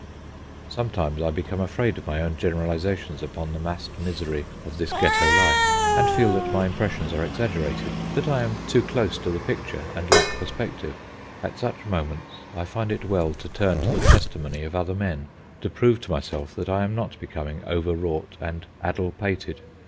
Sometimes I become afraid of my own generalizations upon the massed misery of this Ghetto life, and feel that my impressions are exaggerated, that I am too close to the picture and lack perspective. At such moments I find it well to turn to the testimony of other men to prove to myself that I am not becoming over wrought and addle pated.